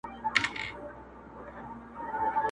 خالقه ورځي څه سوې توري شپې دي چي راځي٫